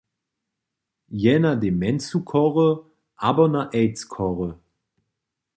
Je na demencu chory abo na aids chory.